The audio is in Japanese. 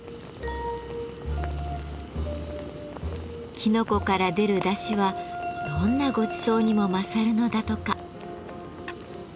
きのこから出るだしはどんなごちそうにも勝るのだとか。